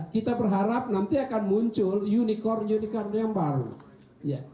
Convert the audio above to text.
kita berharap nanti akan muncul unicorn unicorn yang baru